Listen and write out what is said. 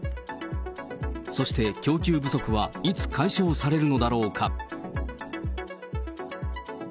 そして供給不足はいつ解消されるのだろうか。